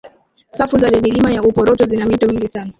safu za milima ya uporoto zina mito mingi sana